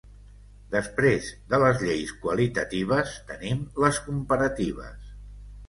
Després de les lleis qualitatives tenim les comparatives.